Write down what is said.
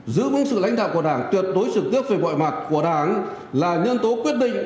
giữ vững sự lãnh đạo của đảng tuyệt đối trực tiếp về mọi mặt của đảng là nhân tố quyết định